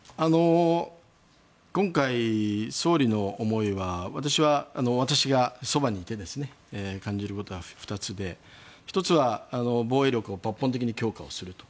今回、総理の思いは私がそばにいて感じることは２つで１つは防衛力を抜本的に強化をすると。